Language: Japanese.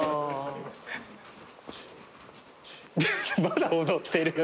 まだ踊ってる。